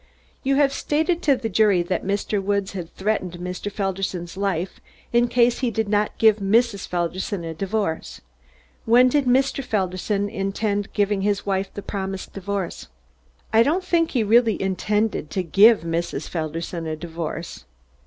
"You have stated to the jury that Mr. Woods had threatened Mr. Felderson's life in case he did not give Mrs. Felderson a divorce. When did Mr. Felderson intend giving his wife the promised divorce?" "I don't think he really intended to give Mrs. Felderson a divorce."